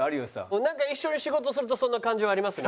なんか一緒に仕事するとそんな感じはありますね。